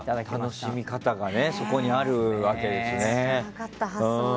楽しみ方がそこにあるわけですね。